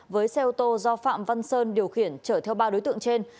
với xe ô tô do phạm văn sơn điều khiển chở theo ba đối tượng trên